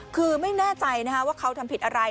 คือไม่แน่ใจว่าเขาทำผิดอะไร